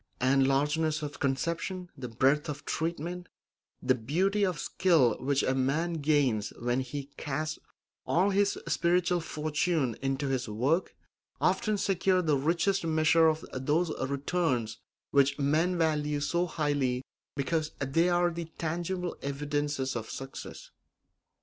And the largeness of conception, the breadth of treatment, the beauty of skill which a man gains when he casts all his spiritual fortune into his work often secure the richest measure of those returns which men value so highly because they are the tangible evidences of success.